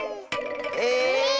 え⁉